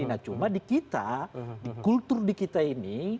nah cuma di kita di kultur di kita ini